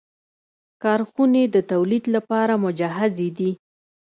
کارخونې د تولید لپاره مجهزې دي.